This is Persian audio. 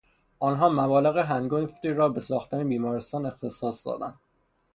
آنها مبالغ هنگفتی را به ساختن بیمارستان اختصاص دادند.